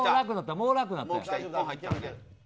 もう楽なったよ。